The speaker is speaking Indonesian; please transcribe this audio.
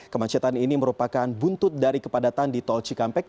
kemacetan ini merupakan buntut dari kepadatan di tol cikampek